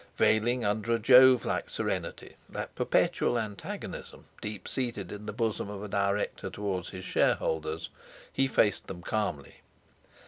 Veiling under a Jove like serenity that perpetual antagonism deep seated in the bosom of a director towards his shareholders, he faced them calmly.